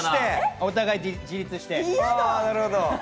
お互い自立して。